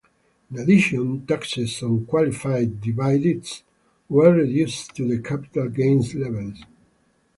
In addition, taxes on "qualified dividends" were reduced to the capital gains levels.